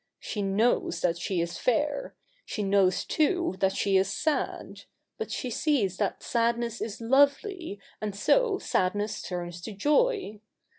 She knows that she is fair ; she knows, too, that she is sad ; but she sees that sadness is lovely, and so sadness turns to joy.